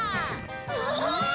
うわ！